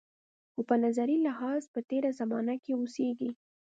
خو په نظري لحاظ په تېره زمانه کې اوسېږي.